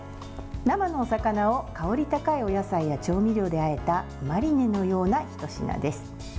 生のお魚を香り高いお野菜や調味料であえたマリネのようなひと品です。